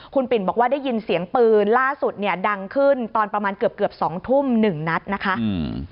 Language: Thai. คุณปิ่นบอกว่าได้ยินเสียงปืนล่าสุดเนี่ยดังขึ้นตอนประมาณเกือบ๒ทุ่ม๑นัทนะคะ